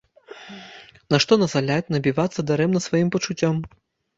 Нашто назаляць, набівацца дарэмна сваім пачуццём!